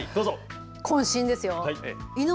こん身ですよ。